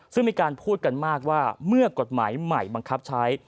ซึ่งมีการพูดกันมากว่าเมื่อกฎหมายใหม่บังคับใช้